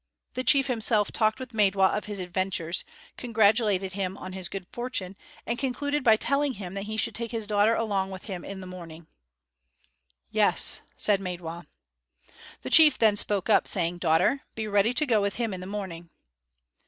The chief himself talked with Maidwa of his adventures, congratulated him on his good fortune, and concluded by telling him that he should take his daughter along with him in the morning. "Yes," said Maidwa. The chief then spoke up, saying, "Daughter, be ready to go with him in the morning."